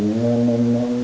nên em chọn